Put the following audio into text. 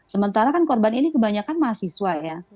sementara kan korban ini kebanyakan mahasiswa ya